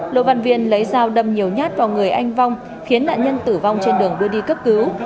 lô văn viên lấy dao đâm nhiều nhát vào người anh vong khiến nạn nhân tử vong trên đường đưa đi cấp cứu